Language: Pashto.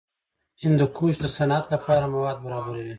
هندوکش د صنعت لپاره مواد برابروي.